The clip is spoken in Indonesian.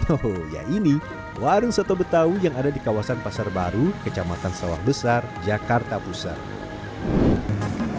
oh ya ini warung soto betawi yang ada di kawasan pasar baru kecamatan sawah besar jakarta pusat